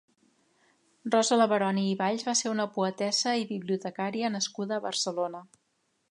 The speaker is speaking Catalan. Rosa Leveroni i Valls va ser una poetessa i bibliotecària nascuda a Barcelona.